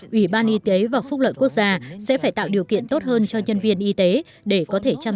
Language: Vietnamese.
ủy ban y tế và phúc lợi quốc gia sẽ phải tạo điều kiện tốt hơn cho nhân viên y tế để có thể chăm